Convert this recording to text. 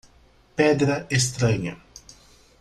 Pedra estranha